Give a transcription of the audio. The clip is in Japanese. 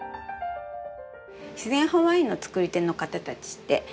自然派ワインのつくり手の方たちって